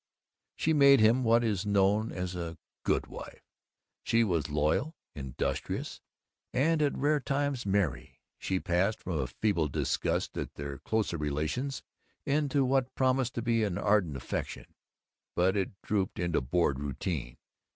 She made him what is known as a Good Wife. She was loyal, industrious, and at rare times merry. She passed from a feeble disgust at their closer relations into what promised to be ardent affection, but it drooped into bored routine.